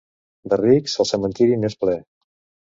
De rics, el cementiri n'és ple.